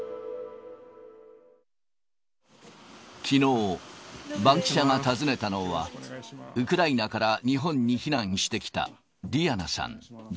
きのう、バンキシャが訪ねたのは、ウクライナから日本に避難してきたディアナさん